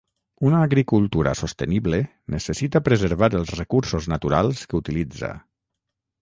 Una agricultura sostenible necessita preservar els recursos naturals que utilitza.